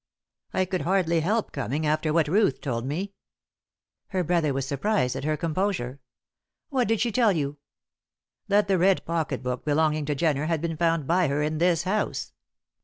"I could hardly help coming after what Ruth told me." Her brother was surprised at her composure. "What did she tell you?" "That the red pocket book belonging to Jenner had been found by her in this house."